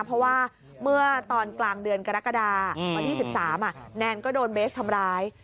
เพราะว่าเมื่อตอนกลางเดือนกรกฎาวันที่๑๓แนนก็โดนเบสทำร้าย